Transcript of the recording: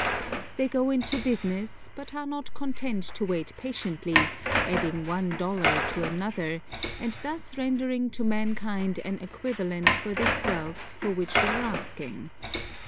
They go into business, but are not content to wait patiently, adding one dollar to another, and thus rendering to mankind an equivalent for this wealth for which they are asking.